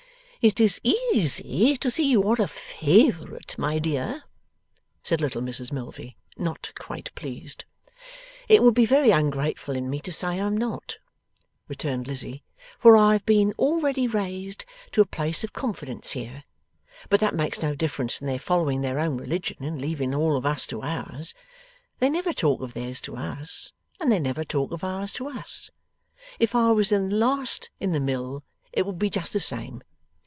'It is easy to see you're a favourite, my dear,' said little Mrs Milvey, not quite pleased. 'It would be very ungrateful in me to say I am not,' returned Lizzie, 'for I have been already raised to a place of confidence here. But that makes no difference in their following their own religion and leaving all of us to ours. They never talk of theirs to us, and they never talk of ours to us. If I was the last in the mill, it would be just the same.